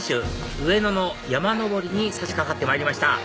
上野の山登りに差し掛かってまいりました